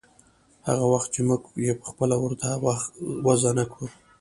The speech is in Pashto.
هغه وخت چې موږ يې پخپله ورته وضع نه کړو.